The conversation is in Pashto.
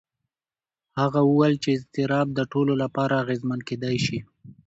هغه وویل چې اضطراب د ټولو لپاره اغېزمن کېدای شي.